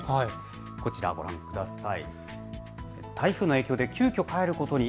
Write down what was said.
こちらをご覧ください。